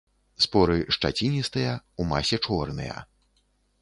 Споры шчаціністыя, у масе чорныя.